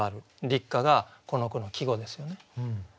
「立夏」がこの句の季語ですよね。